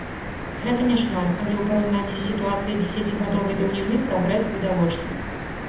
Гэта не шмат, але ў параўнанні з сітуацыяй дзесяцігадовай даўніны прагрэс відавочны.